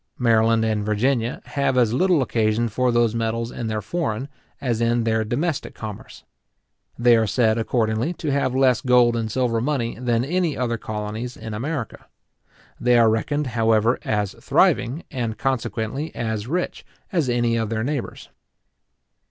Maryland and Virginia have as little occasion for those metals in their foreign, as in their domestic commerce. They are said, accordingly, to have less gold and silver money than any other colonies in America. They are reckoned, however, as thriving, and consequently as rich, as any of their neighbours.